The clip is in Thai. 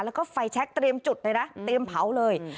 แล้วก็ไฟแชคเตรียมจุดเลยนะเตรียมเผาเลย